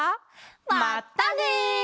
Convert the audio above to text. まったね！